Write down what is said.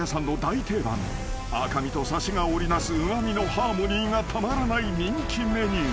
［赤身とサシが織り成すうま味のハーモニーがたまらない人気メニュー］